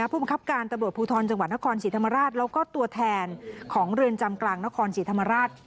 ผู้บังคับการตำรวจภูทรจังหวัดนครศรีธรรมราชแล้วก็ตัวแทนของเรือนจำกลางนครศรีธรรมราช